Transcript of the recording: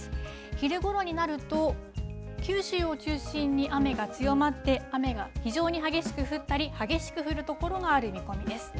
昼ごろになると、九州を中心に雨が強まって、雨が非常に激しく降ったり、激しく降る所がある見込みです。